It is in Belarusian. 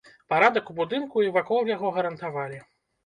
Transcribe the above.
Парадак у будынку і вакол яго гарантавалі.